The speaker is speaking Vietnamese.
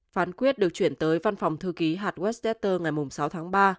phán quyết được chuyển tới văn phòng thư ký hatt westchester ngày sáu tháng ba